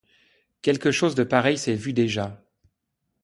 Quelque chose de pareil s'est vu déjà.